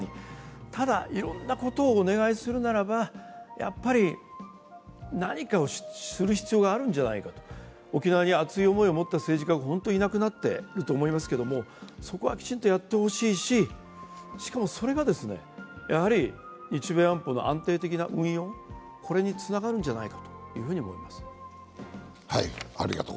ただ、いろんなことをお願いするならば、何かをする必要があるんじゃないか、沖縄に熱い思いを持った政治家がいなくなったと思いますし、そこはきちんとやってほしいし、しかもそれが、やはり日米安保の安定的な運用につながるんじゃないかと思います。